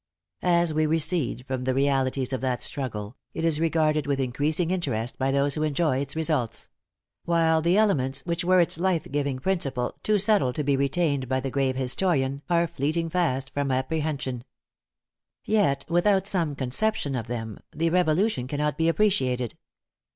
As we recede from the realities of that struggle, it is regarded with increasing interest by those who enjoy its results; while the elements which were its lifegiving principle, too subtle to be retained by the grave historian, are fleeting fast from apprehension. Yet without some conception of them, the Revolution cannot be appreciated.